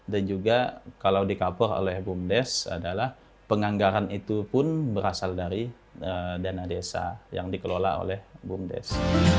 dan juga kalau dikabur oleh bumdes adalah penganggaran itu pun berasal dari dana desa yang dikelola oleh bumdes